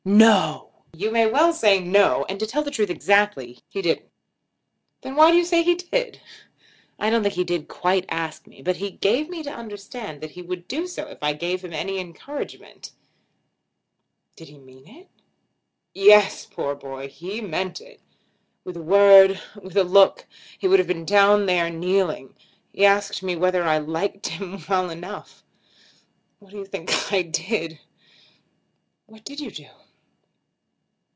"No!" "You may well say, No. And to tell the truth exactly, he didn't." "Then why do you say he did?" "I don't think he did quite ask me, but he gave me to understand that he would do so if I gave him any encouragement." "Did he mean it?" "Yes; poor boy! He meant it. With a word; with a look, he would have been down there kneeling. He asked me whether I liked him well enough. What do you think I did?" "What did you do?"